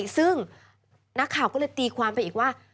ซึ่งนักข่าวก็เลยตีความไปอีกว่า